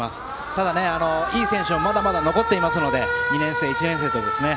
ただ、いい選手はまだまだ残っていますので２年生、１年生とですね。